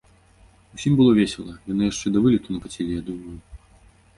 Усім было весела, яны яшчэ да вылету накацілі, я думаю.